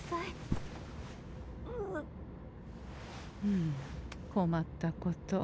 うむ困ったこと。